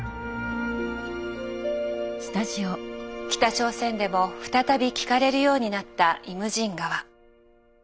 北朝鮮でも再び聴かれるようになった「イムジン河」。